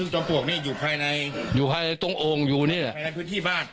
จอมปวกนี้อยู่ภายในภายในพื้นที่บ้าน